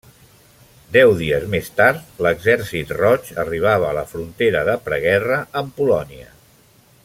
Deu dies més tard, l'Exèrcit Roig arribava a la frontera de preguerra amb Polònia.